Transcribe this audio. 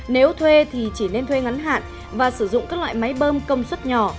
nếu thuê thì chỉ nên thuê ngắn hạn và sử dụng các loại máy bơm công suất nhỏ